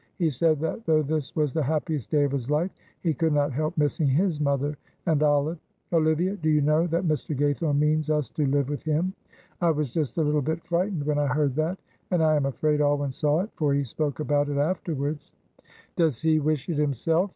He said that though this was the happiest day of his life, he could not help missing his mother and Olive. Olivia, do you know that Mr. Gaythorne means us to live with him? I was just a little bit frightened when I heard that, and I am afraid Alwyn saw it, for he spoke about it afterwards." "Does he wish it himself?"